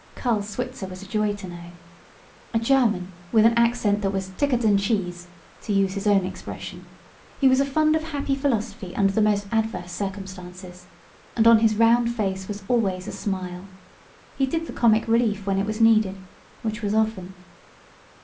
Carl Switzer was a joy to know. A German, with an accent that was "t'icker dan cheese," to use his own expression, he was a fund of happy philosophy under the most adverse circumstances. And on his round face was always a smile. He did the "comic relief," when it was needed, which was often.